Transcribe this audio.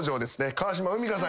川島海荷さん。